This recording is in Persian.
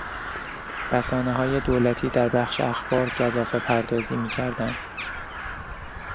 رسانههای دولتی در بخش اخبار گزافه پردازی میکردند.